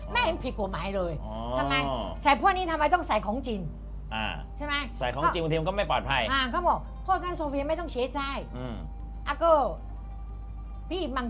ไม่เห็นผิดกว่าไหมเลยใช่ไหมใส่พวกนี้ทำไมต้องใส่ของจริง